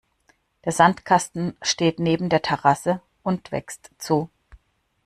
Der Sandkasten steht neben der Terrasse und wächst zu.